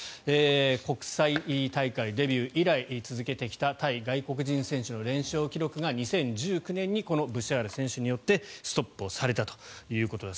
国際大会デビュー以来続けてきた対外国人選手の連勝記録が２０１９年にこのブシャール選手によってストップをされたということです。